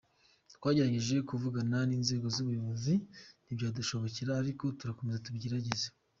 Twagerageje kuvugana n’ inzego z’ ubuyobozi ntibyadushobokera ariko turakomeza tubigerageze.